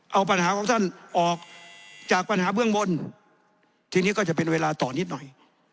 เอาปัญหาของท่านออกจากปัญหาเบื้องบนทีนี้ก็จะเป็นเวลาต่อนิดหน่อย